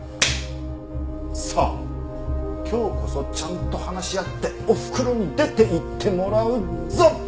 さあ今日こそちゃんと話し合っておふくろに出ていってもらうぞ！